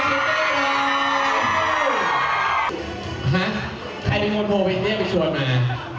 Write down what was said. หดี่ใครจลงโมม่ดไปเรียกมีชวนมา